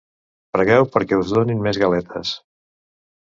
Pregueu perquè us donin més galetes.